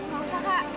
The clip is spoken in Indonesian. gak usah kak